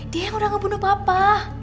dia yang udah ngebunuh papa